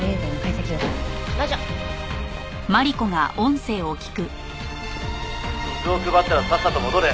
「水を配ったらさっさと戻れ」